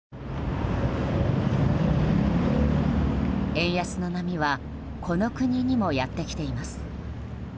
円安の波はこの国にもやってきています。